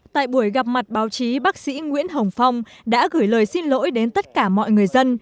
tại buổi gặp mặt báo chí bác sĩ nguyễn hồng phong đã gửi lời xin lỗi đến tất cả mọi người dân